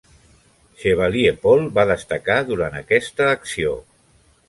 Chevalier Paul va destacar durant aquesta acció.